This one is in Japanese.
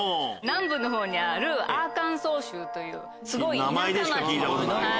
南部にあるアーカンソー州というすごい田舎町に。